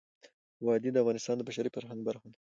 وادي د افغانستان د بشري فرهنګ برخه ده.